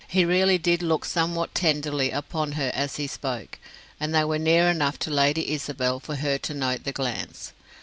He really did look somewhat tenderly upon her as he spoke and they were near enough to Lady Isabel for her to note the glance.